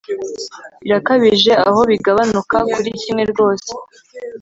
Birakabije aho bigabanuka kuri kimwe rwose